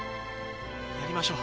やりましょう。